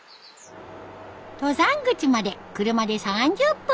登山口まで車で３０分。